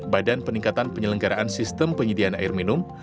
badan peningkatan penyelenggaraan sistem penyediaan air minum